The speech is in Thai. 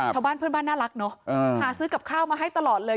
ชาวบ้านเพื่อนบ้านน่ารักเนอะหาซื้อกับข้าวมาให้ตลอดเลย